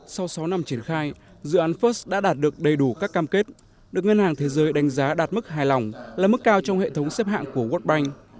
sau sáu năm triển khai dự án first đã đạt được đầy đủ các cam kết được ngân hàng thế giới đánh giá đạt mức hài lòng là mức cao trong hệ thống xếp hạng của world bank